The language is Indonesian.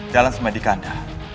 jalan semen di kanda